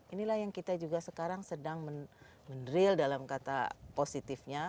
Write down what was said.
inilah yang kita juga sekarang sedang mendrill dalam kata positifnya